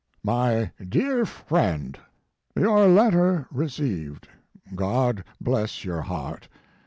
* My Dear Friend : Your letter received. God bless your heart.